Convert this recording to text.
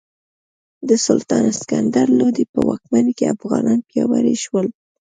د سلطان سکندر لودي په واکمنۍ کې افغانان پیاوړي شول.